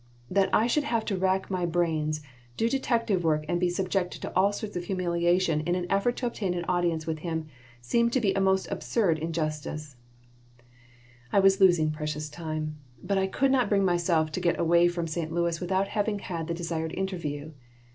That I should have to rack my brains, do detective work, and be subjected to all sorts of humiliation in an effort to obtain an audience with him seemed to be a most absurd injustice I was losing precious time, but I could not bring myself to get away from St. Louis without having had the desired interview.